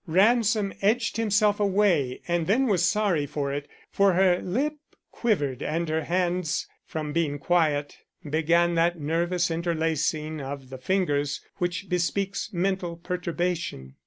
Ransom edged himself away and then was sorry for it, for her lip quivered and her hands, from being quiet, began that nervous interlacing of the fingers which bespeaks mental perturbation.